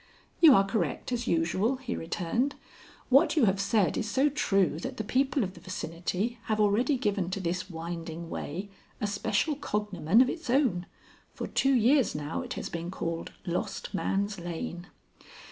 "You are as correct as usual," he returned. "What you have said is so true, that the people of the vicinity have already given to this winding way a special cognomen of its own. For two years now it has been called Lost Man's Lane."